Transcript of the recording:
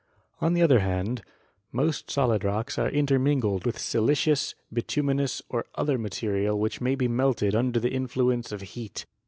On the other hand, most solid rocks are intermingled with silicious, bituminous or other material which may be melted under the influence of heat.